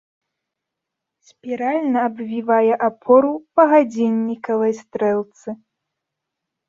Спіральна абвівае апору па гадзіннікавай стрэлцы.